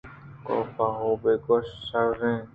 کاف ہئو بہ گوٛش شرّیں